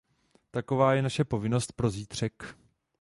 Taková je naše povinnost pro zítřek.